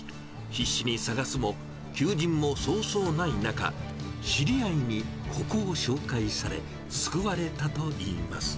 必死に探すも、求人もそうそうない中、知り合いにここを紹介され、救われたといいます。